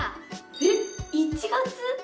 えっ１月？